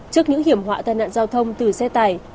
trước những hiểm họa tai nạn giao thông từ xe tải